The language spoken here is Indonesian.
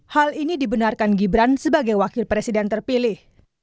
hal ini dibenarkan gibran sebagai wakil presiden terpilih